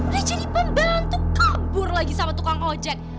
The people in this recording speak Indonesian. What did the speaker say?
dia jadi pembalan tuh kabur lagi sama tukang ojek